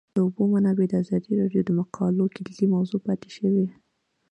د اوبو منابع د ازادي راډیو د مقالو کلیدي موضوع پاتې شوی.